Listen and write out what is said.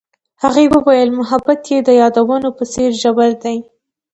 هغې وویل محبت یې د یادونه په څېر ژور دی.